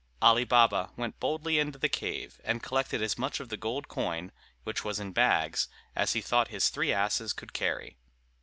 Ali Baba went boldly into the cave, and collected as much of the gold coin, which was in bags, as he thought his three asses could carry.